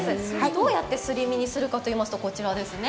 どうやってすり身にしますかといいますとこちらですね。